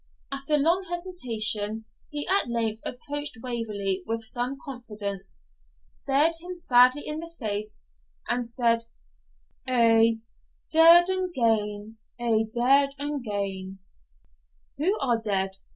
After long hesitation, he at length approached Waverley with some confidence, stared him sadly in the face, and said, 'A' dead and gane a' dead and gane.' 'Who are dead?'